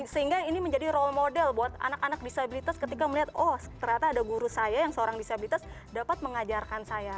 sehingga ini menjadi role model buat anak anak disabilitas ketika melihat oh ternyata ada guru saya yang seorang disabilitas dapat mengajarkan saya